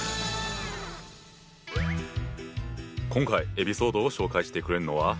今回エピソードを紹介してくれるのは。